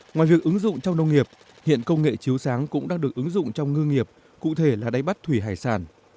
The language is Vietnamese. ngoài việc ứng dụng trong nông nghiệp hiện công nghệ chiếu sáng cũng đang được ứng dụng trong ngư nghiệp cụ thể là đáy bắt thủy hải sản